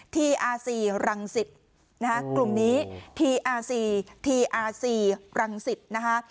ทีอาซีรังสิตนะฮะกลุ่มนี้ทีอาซีทีอาซีรังสิตนะคะ